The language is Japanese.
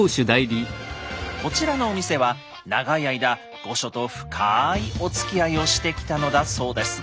こちらのお店は長い間御所と深いおつきあいをしてきたのだそうです。